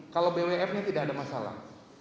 kalau bwf ini tidak ada masalah